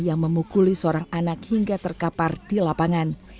yang memukuli seorang anak hingga terkapar di lapangan